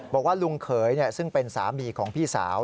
บอกว่าลุงเขยซึ่งเป็นสามีของพี่สาว